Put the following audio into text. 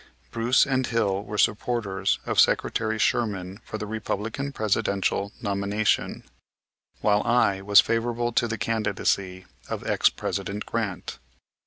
Bruce and Hill were supporters of Secretary Sherman for the Republican Presidential nomination, while I was favorable to the candidacy of ex President Grant.